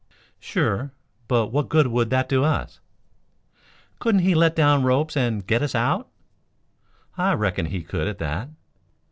"Sure! But what good would that do us?" "Couldn't he let down ropes and get us out?" "I reckon he could at that."